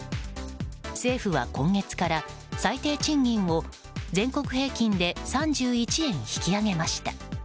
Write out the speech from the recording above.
政府は今月から最低賃金を全国平均で３１円引き上げました。